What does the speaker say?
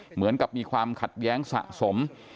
เหมือนกับมีความขัดแย้งสะสม